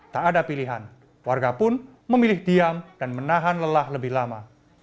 tak ada pilihan warga pun memilih diam dan menahan lelah lebih lama